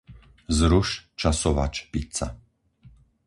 Zruš časovač pizza.